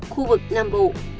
khu vực nam bộ